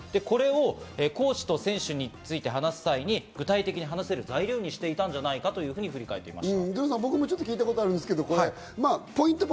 これをコーチと選手について話す際に具体的に話せる材料にしていたんじゃないかというふうに振り返っていました。